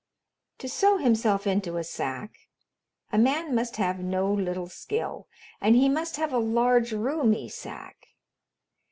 To sew himself into a sack a man must have no little skill, and he must have a large, roomy sack.